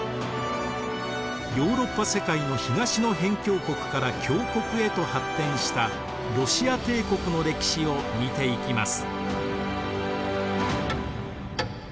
ヨーロッパ世界の東の辺境国から強国へと発展したロシア帝国の歴史を見ていきます。